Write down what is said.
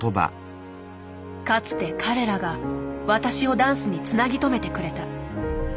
かつて彼らが私をダンスにつなぎとめてくれた。